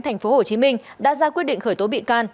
thành phố hồ chí minh đã ra quyết định khởi tố bị can